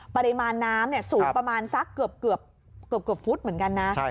ปริมาณน้ำสูงประมาณสักเกือบฟุตเหมือนกันนะ